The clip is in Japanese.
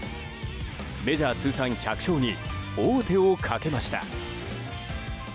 メジャー通算１００勝に王手をかけました。